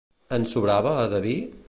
En sobrava, de vi?